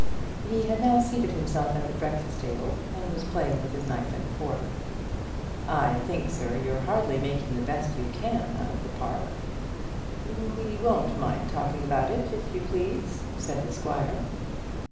He had now seated himself at the breakfast table, and was playing with his knife and fork. "I think, sir, you're hardly making the best you can out of the park." "We won't mind talking about it, if you please," said the squire.